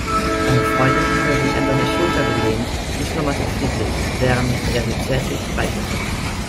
Seine Freundin hatte sich an seine Schulter gelehnt und schlummerte friedlich, während er sie zärtlich streichelte.